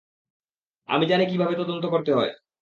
আমি জানি কিভাবে তদন্ত করতে হয়।